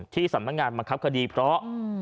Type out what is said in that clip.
ที่สำนักงานบังคับคดีเพราะ